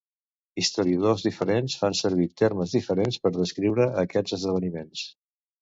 Historiadors diferents fan servir termes diferents per descriure aquests esdeveniments.